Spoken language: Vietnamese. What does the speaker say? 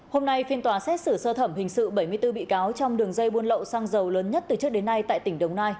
hôm nay phiên tòa xét xử sơ thẩm hình sự bảy mươi bốn bị cáo trong đường dây buôn lậu xăng dầu lớn nhất từ trước đến nay tại tỉnh đồng nai